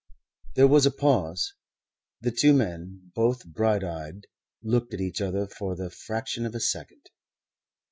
There was a pause. The two men, both bright eyed, looked at each other for the fraction of a second.